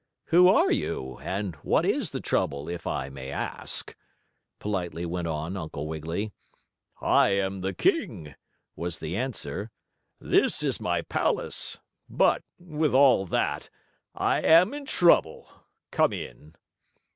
"Who are you, and what is the trouble, if I may ask?" politely went on Uncle Wiggily. "I am the king," was the answer. "This is my palace, but, with all that, I am in trouble. Come in."